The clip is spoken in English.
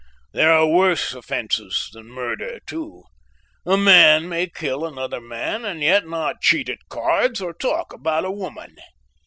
There are worse offences than murder, too; a man may kill another man, and yet not cheat at cards or talk about a woman."